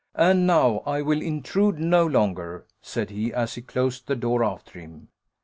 And now I will intrude no longer," said he, as he closed the door after him.